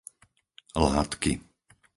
Látky